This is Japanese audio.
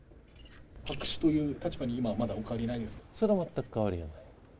白紙という立場に今もお変わそれは全く変わりはない。